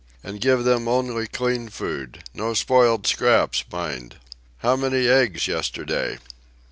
And give them only clean food—no spoiled scraps, mind. How many eggs yesterday?"